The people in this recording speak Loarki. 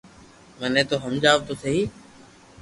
مني تو ھمجاو تو سھي